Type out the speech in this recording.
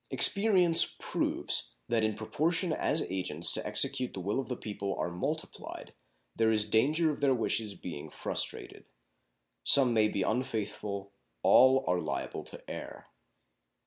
Experience proves that in proportion as agents to execute the will of the people are multiplied there is danger of their wishes being frustrated. Some may be unfaithful; all are liable to err.